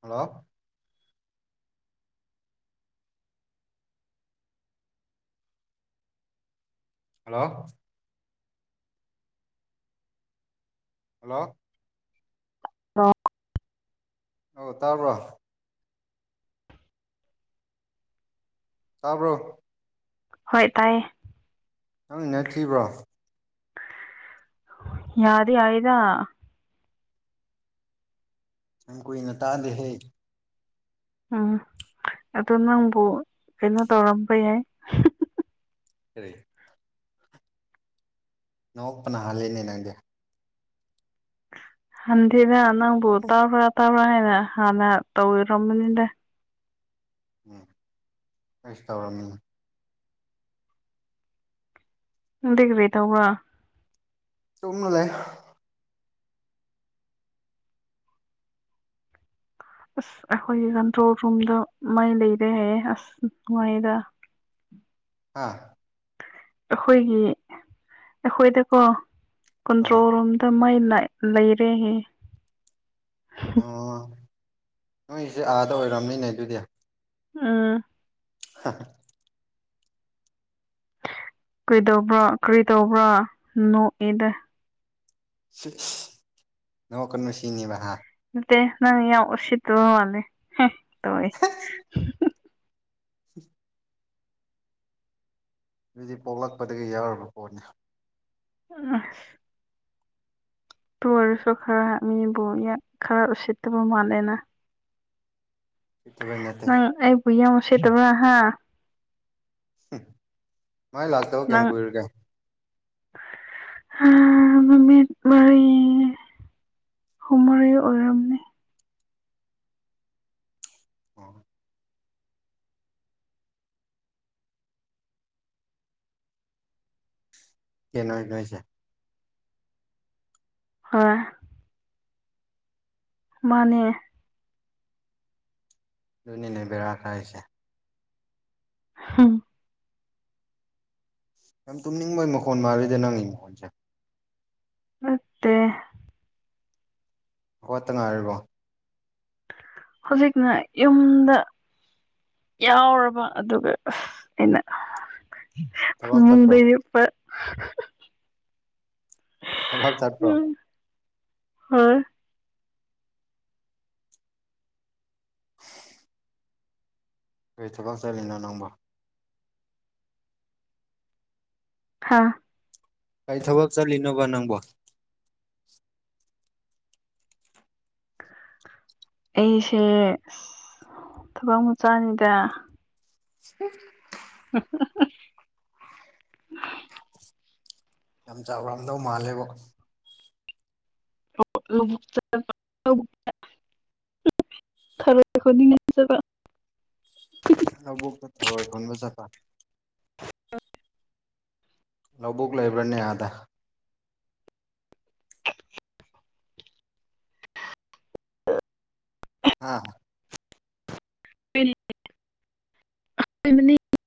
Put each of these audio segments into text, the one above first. hello hello hello ꯑ ꯑꯣ ꯇꯥꯕ꯭ꯔꯣ ꯇꯥꯕ꯭ꯔꯣ ꯍꯣꯏ ꯇꯥꯏ ꯅꯪꯅ ꯊꯤꯈꯤꯕ꯭ꯔꯣ ꯌꯥꯗ ꯌꯥꯏꯗ ꯍ ꯀꯣꯏ ꯏꯅꯇꯥꯗꯍ ꯎꯝ ꯑ ꯅꯪꯕꯨ ꯀꯩꯅꯣ ꯇꯧꯔꯝꯕ ꯌꯥꯏ ꯑꯦꯔꯤ ꯅ ꯑꯣꯄꯅꯥ ꯍꯜꯂꯅꯦ ꯅꯪꯒ ꯍꯗꯤ ꯂꯅ ꯣ ꯇꯥꯕ꯭ꯔ ꯇꯥꯕ꯭ꯔ ꯍꯅ ꯇꯧꯔꯃꯅꯤ ꯎꯝ ꯀꯁ ꯇꯧꯔꯝꯃꯤ ꯗꯔꯦ ꯇ ꯍ ꯆꯣꯡꯅ ꯂꯩꯦ ꯑꯁ ꯑꯩꯈꯣꯏꯒꯤ ꯀꯟꯇ꯭ꯔꯣꯜ ꯔꯨꯝꯗ ꯃꯥꯏ ꯂꯩꯔꯦ ꯍꯥꯏꯌꯦ ꯑꯁ ꯅꯨꯡꯉꯥꯏꯗ ꯍꯥꯥ ꯑꯩꯈꯣꯏꯒꯤ ꯑꯩꯈꯣꯏꯗꯀꯣ ꯑꯥ ꯀꯟꯇ꯭ꯔꯣꯜ ꯔꯨꯝꯗ ꯃꯥꯏ ꯂꯩꯔꯦ ꯍꯦ ꯑꯣ ꯅꯣꯏꯁꯦ ꯑꯥꯗ ꯑꯣꯏꯔꯝꯅꯤꯅꯦ ꯑꯗꯨꯗꯤ ꯑꯥ ꯍ ꯀꯩꯗꯧꯕ꯭ꯔꯥ ꯀꯔꯤ ꯇꯧꯕ꯭ꯔꯥ ꯅꯣꯛꯏꯗ ꯅꯣ ꯀꯃꯁꯤꯅꯤꯕ ꯍꯥ ꯅ ꯑꯣꯁꯤ ꯇ ꯃꯥꯅꯦ ꯇ ꯑꯗꯨꯗꯤ ꯄꯣꯛꯂꯛꯄꯗꯒꯤ ꯌꯥꯎꯨꯔꯕ ꯄꯣꯠꯅꯤ ꯑ ꯇꯨꯡꯁꯨ ꯈꯔꯕꯨ ꯏ ꯈꯔꯔ ꯎ ꯎꯆ ꯇꯕꯨ ꯃꯅꯦꯅ ꯁꯤꯇꯕ ꯅꯠꯇꯦ ꯍꯌꯥ ꯃꯁꯦꯠꯇꯕ ꯍꯥ ꯃꯥꯥꯏ ꯂꯥꯛꯇꯥ ꯍ ꯀꯝ ꯀꯣꯏꯔ ꯀ ꯑ ꯃꯃꯤ ꯋꯥꯔꯤ ꯍꯨꯃꯔꯤ ꯑꯣꯏꯔꯝꯅꯦ ꯑ ꯀꯩꯅꯣꯁꯦ ꯍꯣꯏ ꯃꯥꯅꯦ ꯑꯗꯨꯅꯤꯅꯦ ꯕꯦꯔꯥꯛ ꯍꯥꯏꯁꯦ ꯍꯥꯥ ꯌꯥꯝ ꯇꯨꯝꯅꯤꯡꯕꯒꯤ ꯃꯈꯣꯟ ꯃꯥꯜꯂꯤꯗ ꯅꯪꯒꯤ ꯃꯈꯣꯟꯜꯁꯦ ꯅꯠꯇ ꯍꯠꯇ ꯉꯥꯏꯔꯕꯣ ꯍꯧꯖꯤꯛꯅ ꯌꯨꯝꯗ ꯌꯥꯎꯔꯕ ꯑꯗꯨꯒ ꯑ ꯑꯩꯅ ꯊꯕꯛ ꯆꯠꯄ꯭ꯔꯣ ꯍꯨꯡꯗꯄ ꯑꯚꯞ ꯆꯠꯄ꯭ꯔꯣ ꯍꯥ ꯀꯔꯤ ꯊꯕꯛ ꯆꯠꯂꯤꯅꯣ ꯅꯪꯕ ꯍꯥꯥ ꯀꯔꯤ ꯊꯕꯛ ꯆꯠꯂꯤꯅꯣꯕ ꯅꯪꯕꯣ [unintelligible] ꯑꯩꯁꯦ ꯊꯕꯛ ꯃꯨꯆꯥꯅꯤꯗ ꯎ [unintelligible] ꯌꯥꯝ ꯆꯥꯎꯔꯝꯗꯧ ꯃꯥꯜꯂꯦꯕ ꯑꯣ ꯈꯔꯈꯣꯗꯤꯅ ꯆ ꯂꯧꯕꯣꯛꯛꯇ ꯇꯔꯣꯏ ꯈꯟꯕ ꯆꯠꯄ ꯂꯧꯕꯨꯛ ꯂꯩꯕ꯭ꯔꯅꯦ ꯑꯥꯗ [unintelligible] ꯑꯥ ꯎ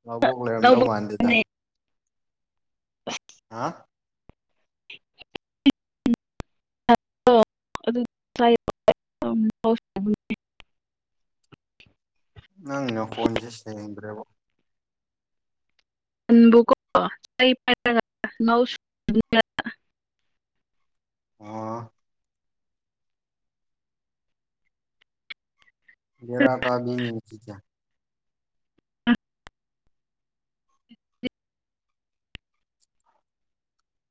ꯂꯕꯣꯛ ꯂꯩꯔꯝꯗꯧ ꯃꯥꯟꯗꯦꯗ ꯐ ꯍꯥ ꯎꯝ ꯑ ꯑꯗꯨ ꯅꯪꯅ ꯀꯣꯟꯁꯦ ꯁꯦꯡꯗ꯭ꯔꯦꯕ ꯕꯀꯣ ꯑꯣ ꯦꯔꯥ ꯀꯥꯕꯤꯅꯤ ꯆꯤꯖꯌꯥ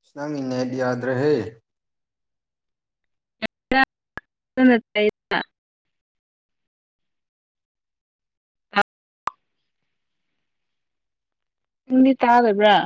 ꯁꯅꯪ ꯏ ꯅꯠ ꯌꯥꯗ ꯔꯦ ꯠꯇ ꯎꯪꯗꯤ ꯇꯥꯗꯕ꯭ꯔꯥ